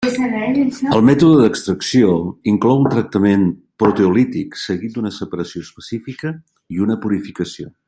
El mètode d'extracció inclou un tractament proteolític seguit d'una separació específica i una purificació.